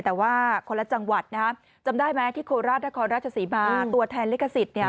แต่ว่าคนละจังหวัดนะฮะจำได้ไหมที่โคราชนครราชศรีมาตัวแทนลิขสิทธิ์เนี่ย